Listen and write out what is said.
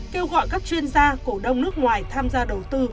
kêu gọi các chuyên gia cổ đông nước ngoài tham gia đầu tư